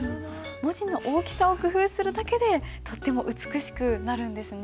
文字の大きさを工夫するだけでとっても美しくなるんですね。